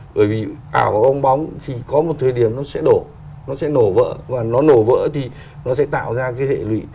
bởi vì ảo của ông bóng thì có một thời điểm nó sẽ đổ nó sẽ nổ vỡ và nó nổ vỡ thì nó sẽ tạo ra cái hệ lụy